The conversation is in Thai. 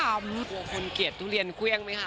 ตัวคุณเกลียดทุเรียนเขวงไหมคะ